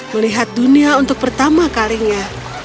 melihat dunia untuk pertama kalinya